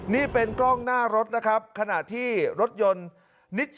นี่เป็นกล้องหน้ารถนะครับขณะที่รถยนต์นิดสันนะครับ